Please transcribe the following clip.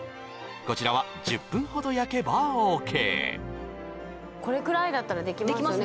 こちらは１０分ほど焼けばＯＫできますね